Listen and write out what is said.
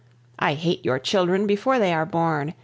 I hate your children before they are born.